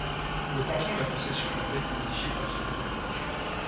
Le canton de La Possession n'a pas été modifié par ce redécoupage.